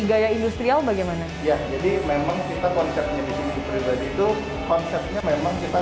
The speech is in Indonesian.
gaya industrial bagaimana ya jadi memang kita konsepnya di sini pribadi itu konsepnya memang kita